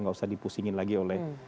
nggak usah dipusingin lagi oleh